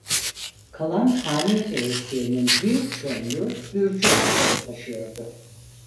Kalan hane reislerinin büyük çoğunluğu Gürcü adları taşıyordu.